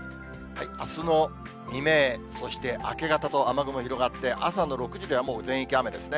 あすの未明、そして明け方と、雨雲広がって、朝の６時ではもう全域雨ですね。